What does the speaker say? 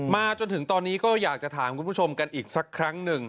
จนถึงตอนนี้ก็อยากจะถามคุณผู้ชมกันอีกสักครั้งหนึ่ง